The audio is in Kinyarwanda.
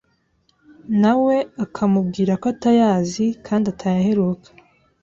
na we akamubwira ko atayazi kandi atayaheruka.